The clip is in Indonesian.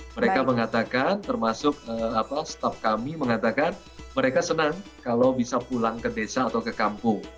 mereka mengatakan termasuk staff kami mengatakan mereka senang kalau bisa pulang ke desa atau ke kampung